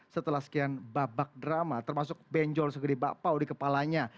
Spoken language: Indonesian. setelah sekian babak drama termasuk benjol segede bakpao di kepalanya